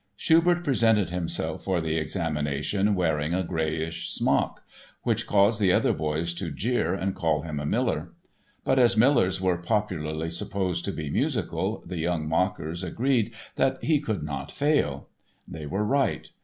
Schubert presented himself for the examination wearing a grayish smock, which caused the other boys to jeer and call him a miller. But as millers were popularly supposed to be musical the young mockers agreed that he could not fail. They were right.